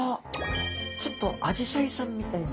ちょっとアジサイさんみたいな。